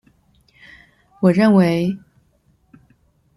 我認為